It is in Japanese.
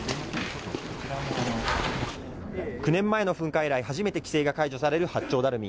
９年前の噴火以来初めて規制が解除される八丁ダルミ。